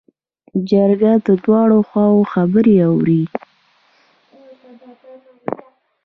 جرګه د دواړو خواوو خبرې اوري.